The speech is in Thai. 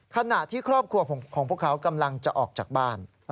ขณะที่ครอบครัวของพวกเขากำลังจะออกจากบ้าน